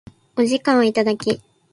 お時間をいただき